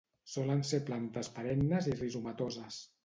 Solen ser plantes perennes i rizomatoses.